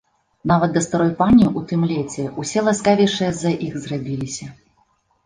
Нават да старой пані ў тым леце ўсе ласкавейшыя з-за іх зрабіліся.